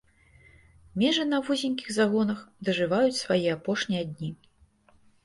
Межы на вузенькіх загонах дажываюць свае апошнія дні.